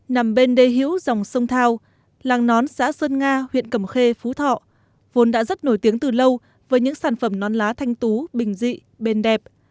nằm bên đê hữu dòng sông thao làng nón xã sơn nga huyện cầm khê phú thọ vốn đã rất nổi tiếng từ lâu với những sản phẩm nón lá thanh tú bình dị bền đẹp